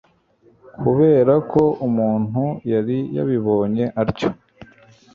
kuberako umuntu yari yabibonye atyo